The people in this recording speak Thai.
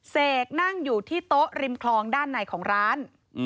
เสกนั่งอยู่ที่โต๊ะริมคลองด้านในของร้าน